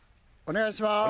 お願いします。